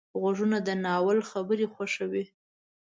غوږونه د ناول خبرې خوښوي